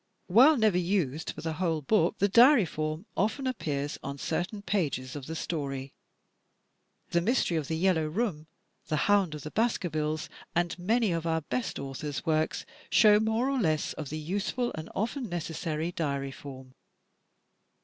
While never used for the whole book, the diary form often appears on certain pages of the story. "The Mystery of the Yellow Room," "The Hound of the Baskervilles," and many of our best authors' works show more or less of the useful and often necessary diary form.